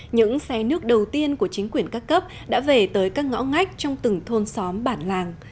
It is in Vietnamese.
những xe nước đầu tiên của chính quyền các cấp đã về tới các ngõ ngách trong từng thôn xóm bản làng